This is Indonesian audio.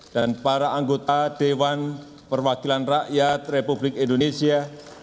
dan para anggota dewan perwakilan rakyat republik indonesia